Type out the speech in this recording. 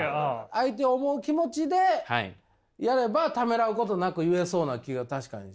相手を思う気持ちでやればためらうことなく言えそうな気は確かに。